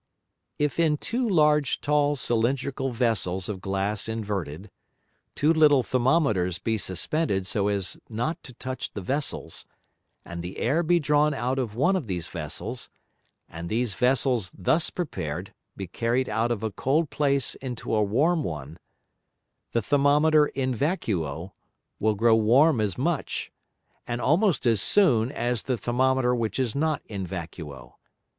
If in two large tall cylindrical Vessels of Glass inverted, two little Thermometers be suspended so as not to touch the Vessels, and the Air be drawn out of one of these Vessels, and these Vessels thus prepared be carried out of a cold place into a warm one; the Thermometer in vacuo will grow warm as much, and almost as soon as the Thermometer which is not in vacuo.